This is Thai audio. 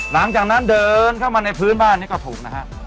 หลังจากนั้นเดินเข้ามาในพื้นบ้านนี่ก็ถูกนะฮะ